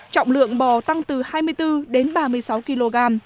trọng lượng bò tăng từ hai mươi bốn đến ba mươi sáu kg